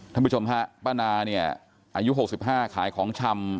ท่านผู้ชมฮะป้านาเนี่ยอายุ๖๕ขายของชำ